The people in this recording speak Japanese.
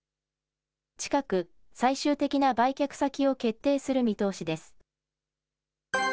近く、最終的な売却先を決定する見通しです。